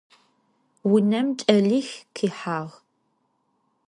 Vunem ç'elix khihağ.